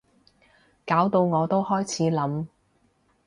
搞到我都開始諗